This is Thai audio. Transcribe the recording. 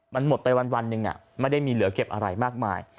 มันหมดไปวันหนึ่งไม่ได้มีเหลือเก็บอะไรมากมาย